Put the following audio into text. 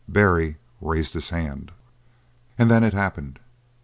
Barry raised his hand. And then it happened.